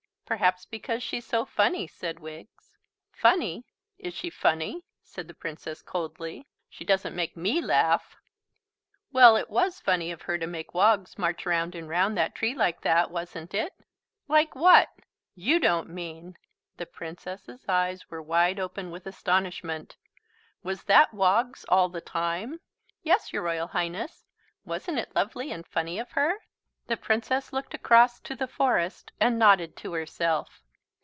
"Perhaps because she's so funny," said Wiggs. "Funny! Is she funny?" said the Princess coldly. "She doesn't make me laugh." "Well, it was funny of her to make Woggs march round and round that tree like that, wasn't it?" "Like what? You don't mean " The Princess's eyes were wide open with astonishment. "Was that Woggs all the time?" "Yes, your Royal Highness. Wasn't it lovely and funny of her?" The Princess looked across to the forest and nodded to herself.